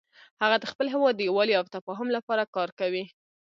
هغه د خپل هیواد د یووالي او تفاهم لپاره کار کوي